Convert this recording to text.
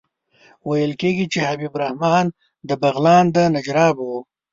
ویل کېږي چې حبیب الرحمن د بغلان د نجراب وو.